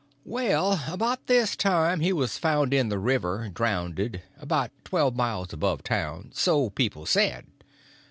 Well, about this time he was found in the river drownded, about twelve mile above town, so people said.